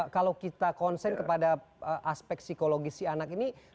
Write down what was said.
kalau kita konsen kepada aspek psikologis si anak ini